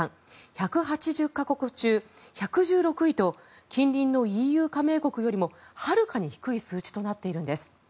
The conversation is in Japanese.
１８０か国中１１６位と近隣のＥＵ加盟国よりもはるかに低い数値となっているんです。